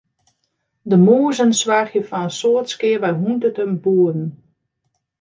De mûzen soargje foar in soad skea by hûnderten boeren.